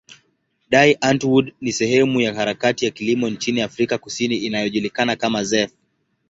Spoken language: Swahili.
Die Antwoord ni sehemu ya harakati ya kilimo nchini Afrika Kusini inayojulikana kama zef.